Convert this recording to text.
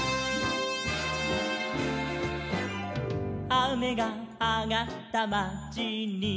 「あめがあがったまちに」